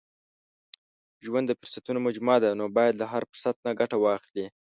• ژوند د فرصتونو مجموعه ده، نو باید له هر فرصت نه ګټه واخلې.